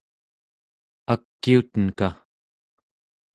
akiutenka